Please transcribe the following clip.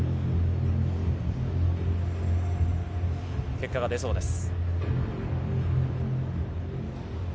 結果が出そうです。